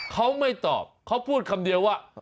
เขาไม่ตอบเขาพูดคำเดียวว่า